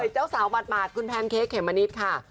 เจ้าสาวหมาดคุณแพนเค้กเขมมะนิดค่ะ